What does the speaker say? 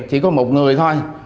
chỉ có một người thôi